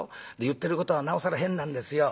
言ってることはなおさら変なんですよ。